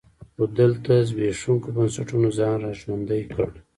خو دلته زبېښونکي بنسټونو ځان را ژوندی کړ.